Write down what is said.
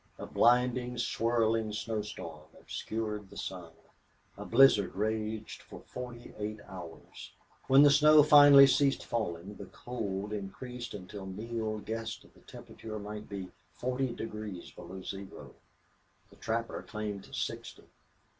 A blinding, swirling snow storm obscured the sun. A blizzard raged for forty eight hours. When the snow finally ceased falling the cold increased until Neale guessed the temperature might be forty degrees below zero. The trapper claimed sixty.